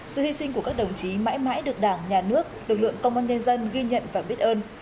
sự hy sinh của các đồng chí mãi mãi được đảng nhà nước lực lượng công an nhân dân ghi nhận và biết ơn